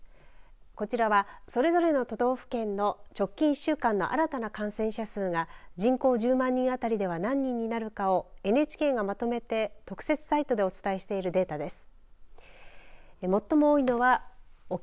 こちらは、それぞれの都道府県の直近１週間の新たな感染者数が人口１０万人当たりは何人になるかをＮＨＫがまとめて特設サイトでお伝えしているデータです。